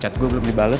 chat gue belum dibales